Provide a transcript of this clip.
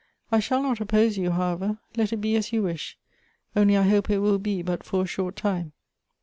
•' I shall not oppose you, how ever. Let it be as you wish ; only I hope it will be but for a short time."